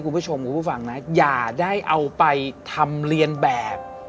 คุณผู้ชมคุณผู้ฟังนะอย่าได้เอาไปทำเรียนแบบ